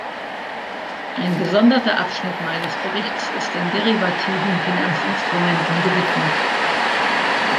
Ein gesonderter Abschnitt meines Berichts ist den derivativen Finanzinstrumenten gewidmet.